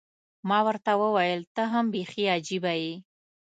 ما ورته وویل، ته هم بیخي عجيبه یې.